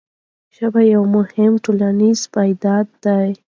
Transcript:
ژبه یوه مهمه ټولنیزه پدیده ده.